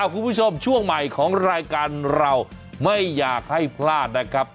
คุณผู้ชมช่วงใหม่ของรายการเราไม่อยากให้พลาดนะครับ